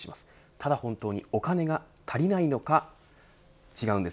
ただ本当にお金が足りないのか違うんです。